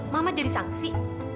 mama jadi sangsi